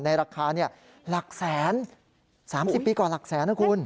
ราคาหลักแสน๓๐ปีก่อนหลักแสนนะคุณ